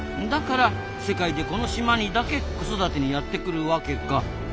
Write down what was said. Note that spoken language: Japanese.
だから世界でこの島にだけ子育てにやって来るわけか。